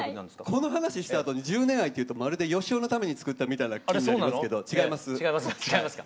この話したあとに「１０年愛」というとまるで芳雄のために作ったみたいな気になりますけど違います。